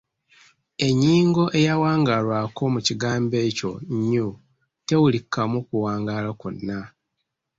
Ennyingo eyawangaalwako mu kigambo ekyo ‘nyuu’ tewulikikamu kuwangaala kwonna.